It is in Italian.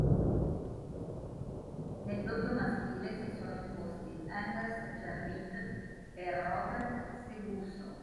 Nel doppio maschile si sono imposti Anders Järryd e Robert Seguso.